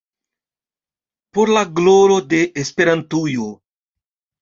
Por la gloro de Esperantujo!